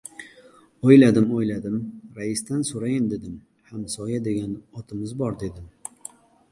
O‘yladim-o‘yladim — raisdan so‘rayin, dedim. Hamsoya degan otimiz bor, dedim.